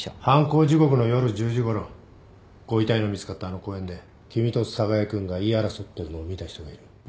犯行時刻の夜１０時ごろご遺体の見つかったあの公園で君と寒河江君が言い争ってるのを見た人がいる。